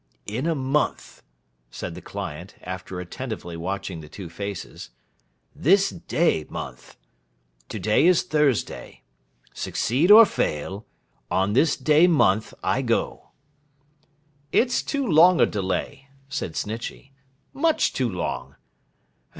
'In a month,' said the client, after attentively watching the two faces. 'This day month. To day is Thursday. Succeed or fail, on this day month I go.' 'It's too long a delay,' said Snitchey; 'much too long.